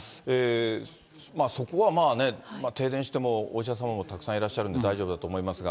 そこは停電してもお医者様もたくさんいらっしゃるんで大丈夫だと思いますが。